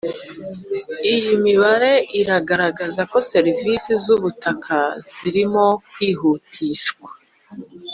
Iyi mibare iragaragaza ko serivisi z ubutaka zirimo kwihutishwa